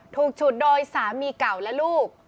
ถูกฉุดโดยสามีเก่าและลูก